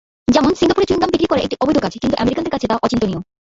যেমন সিঙ্গাপুরে চুইংগাম বিক্রি করা একটি অবৈধ কাজ কিন্তু আমেরিকানদের কাছে তা অচিন্তনীয়।